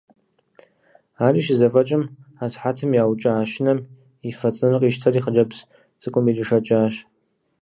Ари щызэфӏэкӏым асыхьэтым яукӏа щынэм и фэ цӏынэр къищтэри хъыджэбз цӏыкӏум иришэкӏащ.